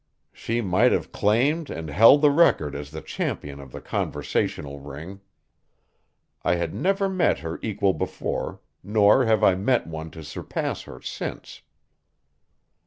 She might have claimed and held the record as the champion of the conversational ring. I had never met her equal before, nor have I met one to surpass her since.